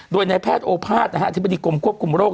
โดยในแพทย์โอภาษย์อธิบดีกรมควบคุมโรค